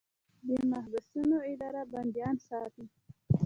د محبسونو اداره بندیان ساتي